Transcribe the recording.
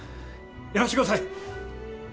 やらしてください！